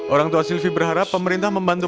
orang tua silvi berharap pemerintah membantu